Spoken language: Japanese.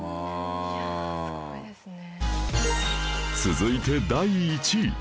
続いて第１位